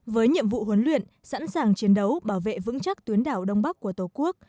với nhiệm vụ huấn luyện sẵn sàng chiến đấu bảo vệ vững chắc tuyến đảo đông bắc của tổ quốc